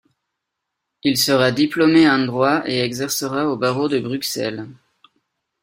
Il sera diplômé en Droit et exercera au barreau de Bruxelles.